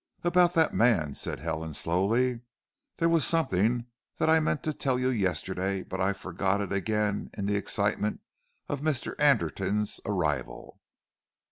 "About that man," said Helen slowly. "There was something that I meant to tell you yesterday, but I forgot it again in the excitement of Mr. Anderton's arrival."